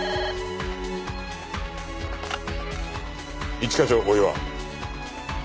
一課長大岩。